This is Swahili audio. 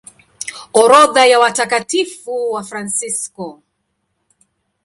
Orodha ya Watakatifu Wafransisko